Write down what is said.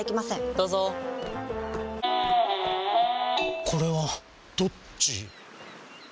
どうぞこれはどっち？